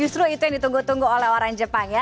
justru itu yang ditunggu tunggu oleh orang jepang ya